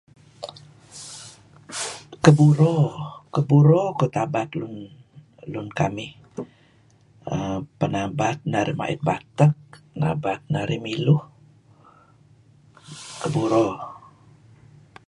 Keburo. Keburo kuh tabat lun kamih penabat narih ma'it batek, penabat narih miluh. Keburo.